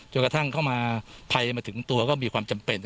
กระทั่งเข้ามาภัยมาถึงตัวก็มีความจำเป็น